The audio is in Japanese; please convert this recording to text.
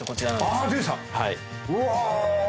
うわ！